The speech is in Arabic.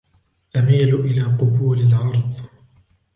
أميل إلى قبول العرض.